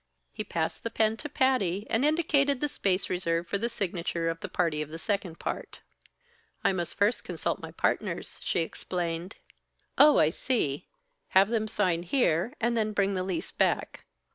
He passed the pen to Patty and indicated the space reserved for the signature of the party of the second part. "I must first consult my partners," she explained. "Oh, I see! Have them sign here, and then bring the lease back."